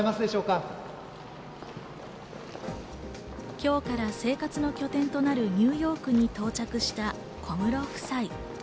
今日から生活の拠点となるニューヨークに到着した小室夫妻。